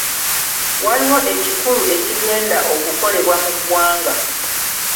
Waliwo ekikulu ekigenda okukolebwa mu ggwanga.